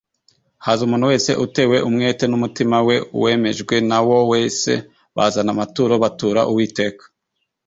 haza umuntu wese utewe umwete n'umutima we, uwemejwe na wo wese, bazana amaturo batura uwiteka